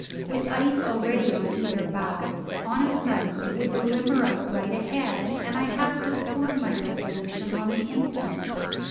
With ice already on either bow, on a sudden it would glimmer out right ahead, and I had to form my resolution on the instant.